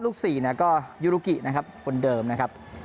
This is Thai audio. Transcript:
ลูกสี่เนี้ยก็ยูรุกินะครับคนเดิมนะครับ